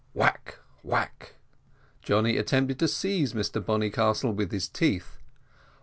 Whack, whack. Johnny attempted to seize Mr Bonnycastle with his teeth.